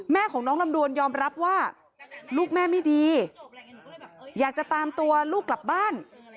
แม่ของน้องลำดวนยอมรับว่าลูกแม่ไม่ดีอยากจะตามตัวลูกกลับบ้าน